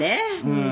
うん。